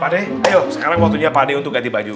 pade ayo sekarang waktunya pade untuk ganti baju